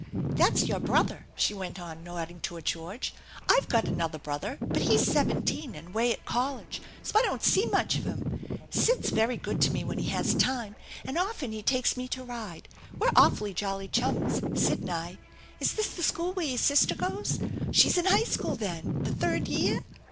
" That's your brother," she went on, nodding toward George. " I've got another brother, but he's seventeen and away at college, so I don't see much of him. Sid's very good to me when he has time, and often he takes me to ride. We're awfully jolly chums, Sid and I. Is this the school where your sister goes? She's in high school, then. The third year?